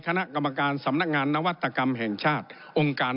คณะกรรมการสำนักงานนวัตกรรมแห่งชาติองค์การ